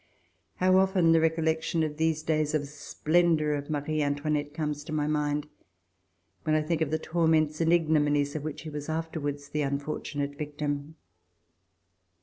How often the recollection of these days of splendor of Marie Antoinette comes to my mind, when I think of the torments and ignominies of which she was afterwards the unfortunate victim.